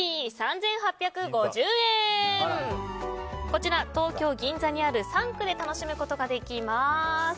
こちら、東京・銀座にあるサンクで楽しむことができます。